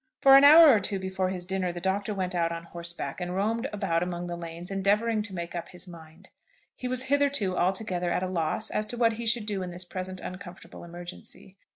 For an hour or two before his dinner, the Doctor went out on horseback, and roamed about among the lanes, endeavouring to make up his mind. He was hitherto altogether at a loss as to what he should do in this present uncomfortable emergency.